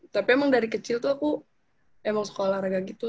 tapi emang dari kecil tuh aku emang suka olahraga gitu